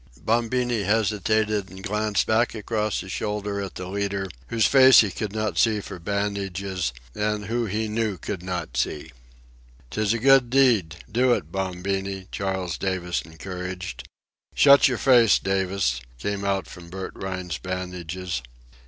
Bombini hesitated and glanced back across his shoulder at the leader, whose face he could not see for bandages and who he knew could not see. "'Tis a good deed—do it, Bombini," Charles Davis encouraged. "Shut your face, Davis!" came out from Bert Rhine's bandages.